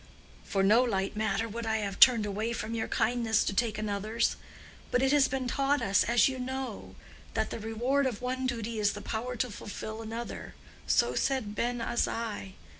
For no light matter would I have turned away from your kindness to take another's. But it has been taught us, as you know, that the reward of one duty is the power to fulfill another—so said Ben Azai.